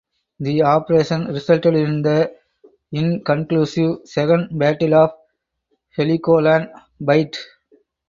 The operation resulted in the inconclusive Second Battle of Heligoland Bight.